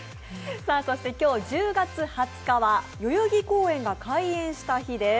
そして今日１０月２０日は代々木公園が開園した日です。